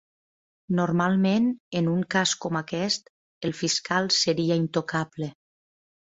Normalment, en un cas com aquest, el fiscal seria intocable.